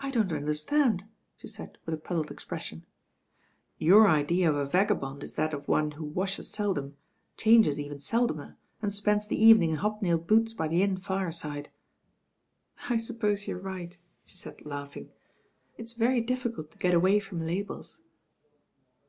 "I don't understand;* she said with a puzzled e* pression. "Your idea of a vagabond is that of one who washes seldom, changes even seldomer, and spends the evening in hob nailed boots by the imi fireside." "I suppose you are right," she said laughing. "It*s very difficult to get away from labels.